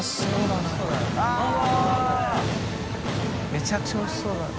めちゃくちゃおいしそうだな。